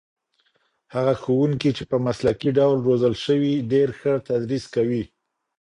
هغه ښوونکي چې په مسلکي ډول روزل شوي ډېر ښه تدریس کوي.